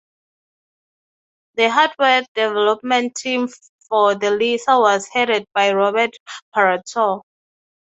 The hardware development team for the Lisa was headed by Robert Paratore.